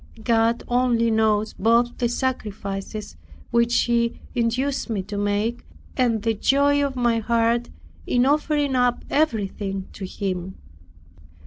God only knows both the sacrifices which He induced me to make, and the joy of my heart in offering up everything to Him.